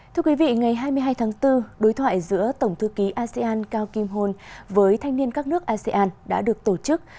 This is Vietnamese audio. thưa quý vị ngày hai mươi hai tháng bốn đối thoại giữa tổng thư ký asean cao kim hôn với thanh niên các nước asean đã được tổ chức